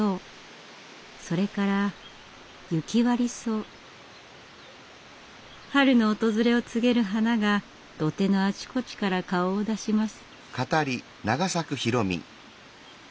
それから春の訪れを告げる花が土手のあちこちから顔を出します。